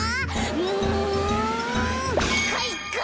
うんかいか！